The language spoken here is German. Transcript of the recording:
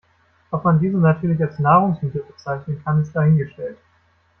Ob man diese natürlich als Nahrungsmittel bezeichnen kann, ist dahingestellt.